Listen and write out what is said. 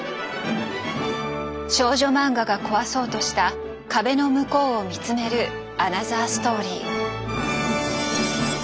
少女マンガが壊そうとした壁の向こうを見つめるアナザーストーリー。